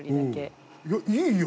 いやいいよ。